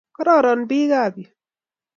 Kororon pik ap yu.